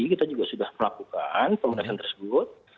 kita juga sudah melakukan pembahasan tersebut